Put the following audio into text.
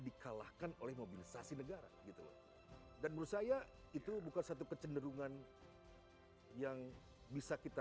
dikalahkan oleh mobilisasi negara gitu dan menurut saya itu bukan satu kecenderungan yang bisa kita